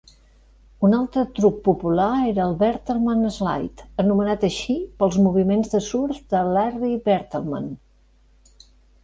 Un altre truc popular era el "Bertlemann slide", anomenat així pels moviments de surf de Larry Bertlemann.